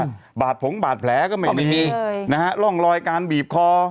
หัวบาผงหรือบาแผลก็ไม่มีนะฮะร่องรอยการบีบคอ